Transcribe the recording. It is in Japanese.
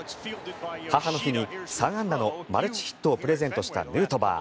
母の日に３安打のマルチヒットをプレゼントしたヌートバー。